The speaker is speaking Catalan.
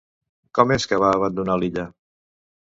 Com és que va abandonar l'illa?